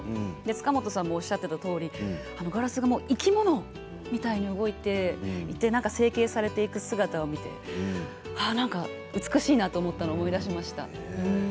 塚本さんがおっしゃっていたとおりガラスが生き物みたいに動いて成形されていく姿を見て美しいなと思ったのを思い出しました。